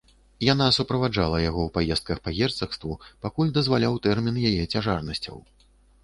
Яна суправаджала яго ў паездках па герцагству, пакуль дазваляў тэрмін яе цяжарнасцяў.